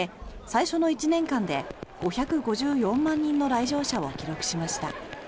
最初の１年間で５５４万人の来場者を記録しました。